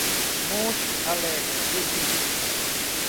Monte Alegre de Minas